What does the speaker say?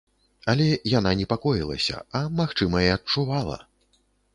Але яна непакоілася, а, магчыма, і адчувала.